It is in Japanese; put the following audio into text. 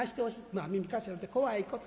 「まあ耳貸すやなんて怖いこと。